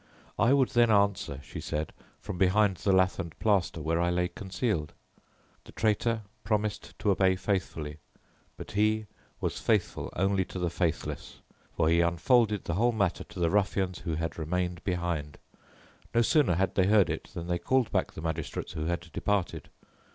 I would then answer, she said, from behind the lath and plaster where I lay concealed. The traitor promised to obey faithfully; but he was faithful only to the faithless, for he unfolded the whole matter to the ruffians who had remained behind. "No sooner had they heard it than they called back the magistrates who had departed.